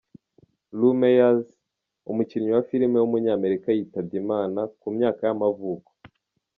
Lou Myers, umukinnyi wa filime w’umunyamerika yitabye Imana, ku myaka y’amavuko.